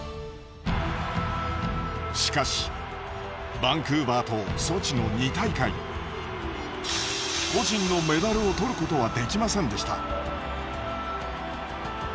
しかしバンクーバーとソチの２大会個人のメダルを取ることはできませんでした。